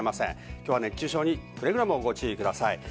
今日は熱中症に、くれぐれもご注意ください。